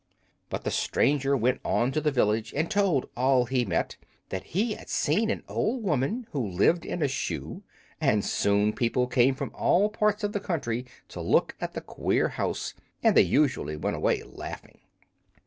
But the stranger went on to the village and told all he met that he had seen an old woman who lived in a shoe; and soon people came from all parts of the country to look at the queer house, and they usually went away laughing.